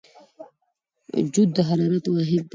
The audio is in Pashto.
جوت د حرارت واحد دی.